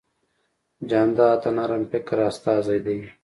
جانداد د نرم فکر استازی دی.